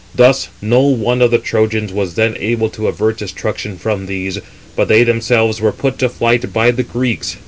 Thus no one of the Trojans was then able to avert destruction from these, but they themselves were put to flight by the Greeks.